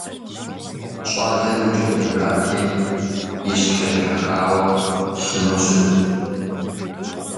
Щӏалэр укӀытэжати, и щхьэр ехьэхауэ щыму щытт.